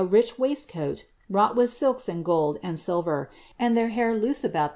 rich wnisifnal, wrought with silks aiiil gold and silver, and [heir liair loose abui